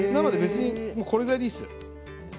別にこのぐらいでいいです。